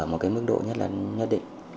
ở một mức độ nhất là nhất định